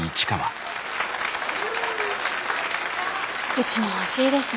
うちも欲しいですね